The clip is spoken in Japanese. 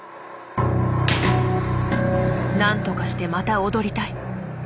何とかしてまた踊りたい。